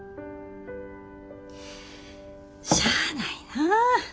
しゃあないな。